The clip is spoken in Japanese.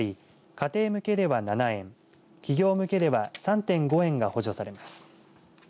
家庭向けでは、７円企業向けでは３．５円が補助されます。